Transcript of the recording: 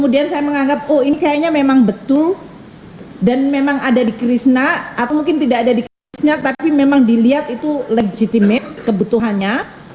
dan memang ada di krisna atau mungkin tidak ada di krisna tapi memang dilihat itu legitimate kebutuhannya